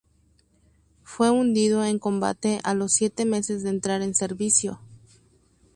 Fue hundido en combate a los siete meses de entrar en servicio.